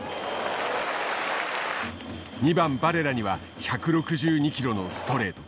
２番バレラには１６２キロのストレート。